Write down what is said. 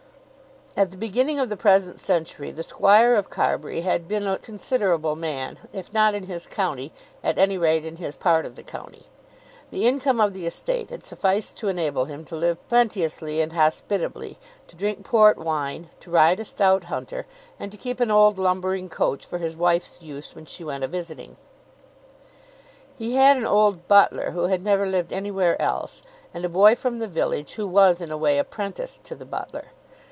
At the beginning of the present century the squire of Carbury had been a considerable man, if not in his county, at any rate in his part of the county. The income of the estate had sufficed to enable him to live plenteously and hospitably, to drink port wine, to ride a stout hunter, and to keep an old lumbering coach for his wife's use when she went avisiting. He had an old butler who had never lived anywhere else, and a boy from the village who was in a way apprenticed to the butler.